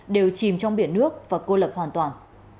đều chìm trong biển nước và cô lập hoàn toàn